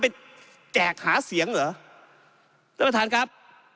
แจกหาเสียงเหรอท่านประธานครับ